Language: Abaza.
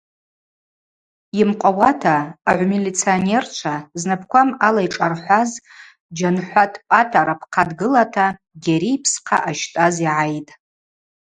Йымкъвауата агӏвмилиционерчва, знапӏква мъала йшӏархӏваз Джьанхӏватӏ Пӏатӏа рапхъа дгылата Гьари йпсхъа ъащтӏаз йгӏайтӏ.